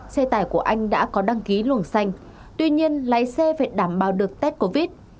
xe tải của anh đã có đăng ký luồng xanh tuy nhiên lái xe phải đảm bảo được test covid